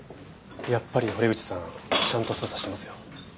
やっぱり堀口さんちゃんと捜査してますよ。